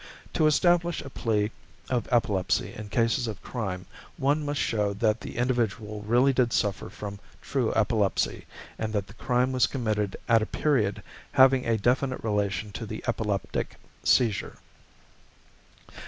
To establish a plea of epilepsy in cases of crime, one must show that the individual really did suffer from true epilepsy, and that the crime was committed at a period having a definite relation to the epileptic seizure.